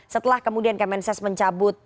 setelah kemudian kemensos mencabut